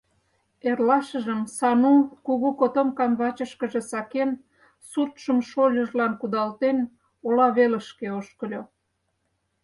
Эрлашыжым Сану, кугу котомкам вачышкыже сакен, суртшым шольыжлан кудалтен, ола велышке ошкыльо.